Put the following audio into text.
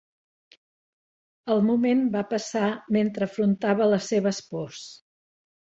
El moment van passar mentre afrontava les seves pors.